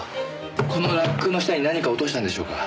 このラックの下に何か落としたんでしょうか？